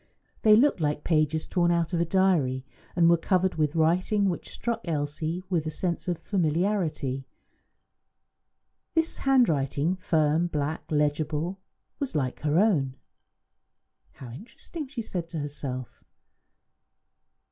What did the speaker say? They looked like pages torn out of a diary, and were covered with writing which struck Elsie with a sense of familiarity. This handwriting, firm, black, legible, was like her own. "How interesting!" she said to herself.